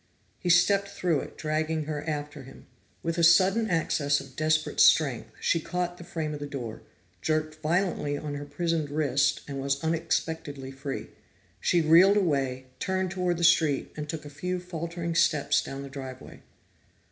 He stepped through it, dragging her after him. With a sudden access of desperate strength, she caught the frame of the door, jerked violently on her prisoned wrist, and was unexpectedly free. She reeled away, turned toward the street, and took a few faltering steps down the driveway.